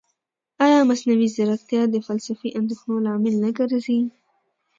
ایا مصنوعي ځیرکتیا د فلسفي اندېښنو لامل نه ګرځي؟